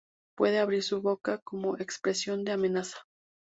Puede abrir su boca como expresión de amenaza.